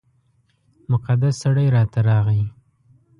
مقدس سړی راته راغی.